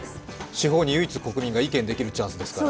司法に唯一、国民が意見できるチャンスですから。